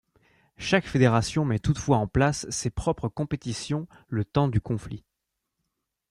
Chaque fédération met toutefois en place ses propres compétitions le temps du conflit.